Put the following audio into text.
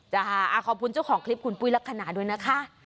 จ้าขอบคุณเจ้าของคลิปขุนปุ๊ยละขนาด้วยนะคะ